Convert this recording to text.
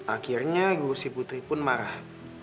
akhirnya guru si putri pun marah